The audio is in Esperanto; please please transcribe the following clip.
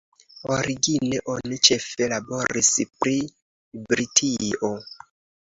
Origine oni ĉefe laboris pri Britio.